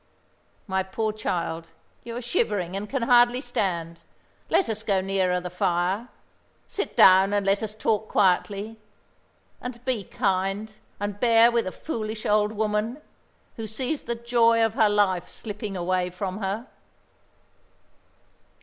My poor child, you are shivering, and can hardly stand. Let us go nearer the fire. Sit down, and let us talk quietly and be kind, and bear with a foolish old woman, who sees the joy of her life slipping away from her."